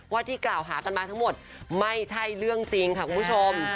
ที่กล่าวหากันมาทั้งหมดไม่ใช่เรื่องจริงค่ะคุณผู้ชม